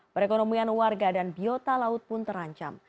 perekonomian warga dan biota laut pun terancam